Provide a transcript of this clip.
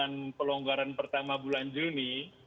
dengan pelonggaran pertama bulan juni